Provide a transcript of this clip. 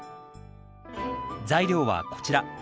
材料はこちら。